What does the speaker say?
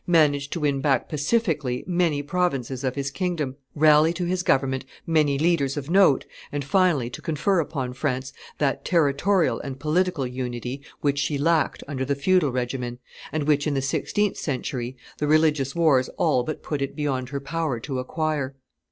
managed to win back pacifically many provinces of his kingdom, rally to his government many leaders of note, and finally to confer upon France that territorial and political unity which she lacked under the feudal regimen, and which, in the sixteenth century, the religious wars all but put it beyond her power to acquire.